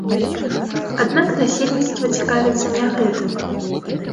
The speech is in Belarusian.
Аднак насельніцтва цікавіцца не гэтым.